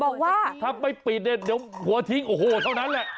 บอกว่าถ้าไม่ปิดเนี่ยเดี๋ยวผัวทิ้งโอ้โหเท่านั้นแหละ